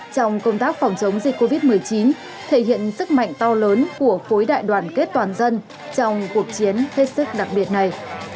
trong công tác phòng chống dịch covid một mươi chín thể hiện sức mạnh to lớn của khối đại đoàn kết toàn dân trong cuộc chiến hết sức đặc biệt này